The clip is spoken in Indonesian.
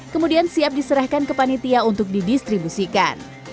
kemudian siap diserahkan ke panitia untuk didistribusikan